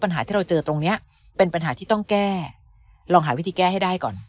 ที่เราเจอตรงเนี้ยเป็นปัญหาที่ต้องแก้ลองหาวิธีแก้ให้ได้ก่อน